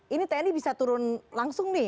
ini tni bisa turun langsung nih